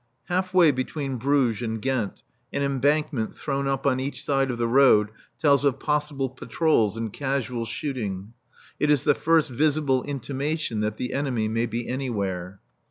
Half way between Bruges and Ghent an embankment thrown up on each side of the road tells of possible patrols and casual shooting. It is the first visible intimation that the enemy may be anywhere.